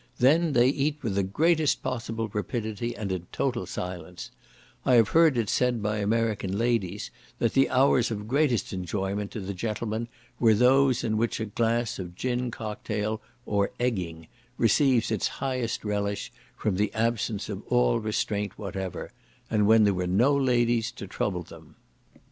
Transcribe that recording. Then they eat with the greatest possible rapidity, and in total silence; I have heard it said by American ladies, that the hours of greatest enjoyment to the gentlemen were those in which a glass of gin cocktail, or egging, receives its highest relish from the absence of all restraint whatever; and when there were no ladies to trouble them.